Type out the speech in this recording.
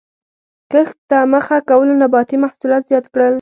کښت ته مخه کولو نباتي محصولات زیات کړل.